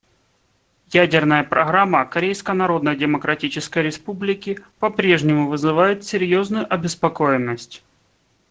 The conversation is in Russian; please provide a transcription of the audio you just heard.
Ядерная программа Корейской Народно-Демократической Республики по-прежнему вызывает серьезную обеспокоенность.